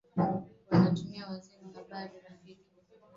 wanamuita mzee wa habari rafiki edwin dave ndekeleta mambo